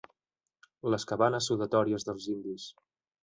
Les cabanes sudatòries dels indis.